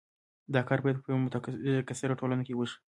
دا کار باید په یوه متکثره ټولنه کې وشي.